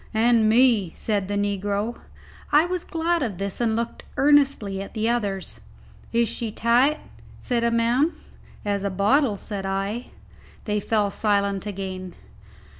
"And me," said the negro. I was glad of this, and looked earnestly at the others. "Is she tight?" said a man. "As a bottle," said I. They fell silent again.